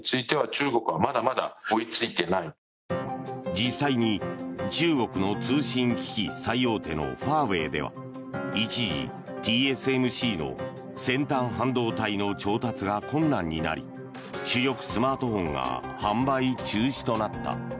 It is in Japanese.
実際に中国の通信機器最大手のファーウェイでは一時、ＴＳＭＣの先端半導体の調達が困難になり主力スマートフォンが販売中止となった。